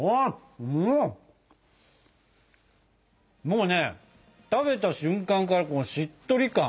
もうね食べた瞬間からこのしっとり感？